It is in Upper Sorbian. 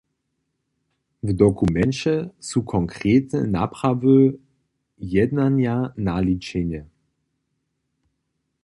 W dokumenće su konkretne naprawy jednanja naličene.